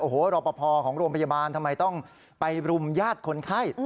โอ้โหรอปภของโรงพยาบาลทำไมต้องไปรุมญาติคนไข้